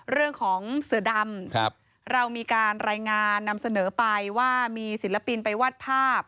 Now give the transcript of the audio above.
เรื่องของเสือดำเรามีการรายงานนำเสนอไปว่ามีศิลปินไปวาดภาพ